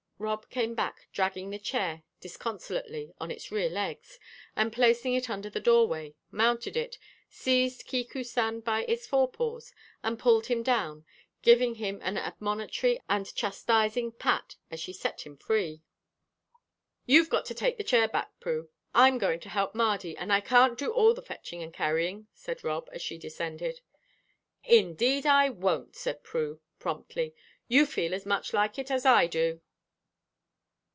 Rob came back dragging the chair disconsolately on its rear legs, and placing it under the doorway, mounted it, seized Kiku san by his forepaws, and pulled him down, giving him an admonitory and chastising pat as she set him free. "You've got to take the chair back, Prue; I'm going to help Mardy, and I can't do all the fetching and carrying," said Rob, as she descended. "Indeed, I won't," said Prue, promptly. "You feel as much like it as I do."